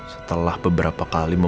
setelah beberapa kali old tomorrow